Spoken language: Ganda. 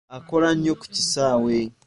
Akola nnyo ku kisaawe.